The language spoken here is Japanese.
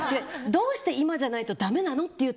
どうして今じゃないとだめなの？っていう